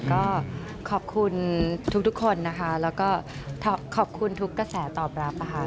ก็ขอบคุณทุกคนนะคะแล้วก็ขอบคุณทุกกระแสตอบรับค่ะ